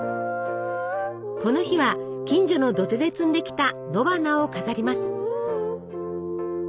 この日は近所の土手で摘んできた野花を飾ります。